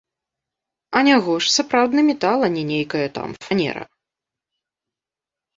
Анягож, сапраўдны метал, а не нейкая там фанера!